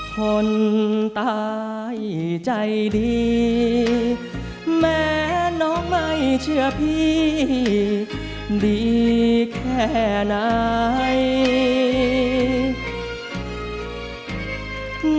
คนตายใจดีแม้น้องไม่เชื่อพี่ดีแค่ไหน